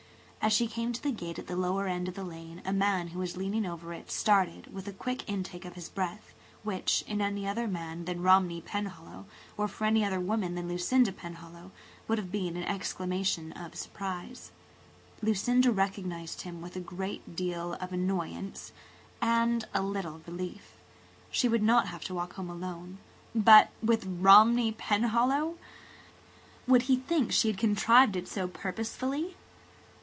As she came to the gate at the lower end of the lane a man who was leaning over it started, with a quick intake of his breath, which, in any other man than Romney Penhallow, or for any other woman than Lucinda Penhallow, would have been an exclamation of surprise. Lucinda recognized him with a great deal of annoyance and a little relief. She would not have to walk home alone. But with Romney Penhallow! Would he think she had contrived it so purposely?